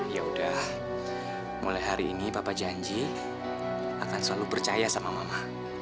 ya udah mulai hari ini bapak janji akan selalu percaya sama mama